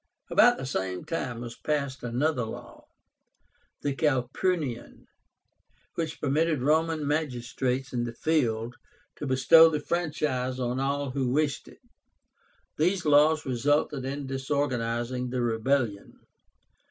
About the same time was passed another law, the CALPURNIAN, which permitted Roman magistrates in the field to bestow the franchise on all who wished it. These laws resulted in disorganizing the rebellion.